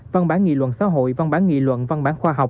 văn bản nghị luận xã hội văn bản nghị luận văn bản khoa học